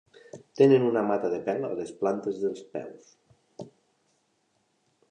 Tenen una mata de pèl a les plantes dels peus.